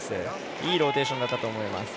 いいローテーションだったと思います。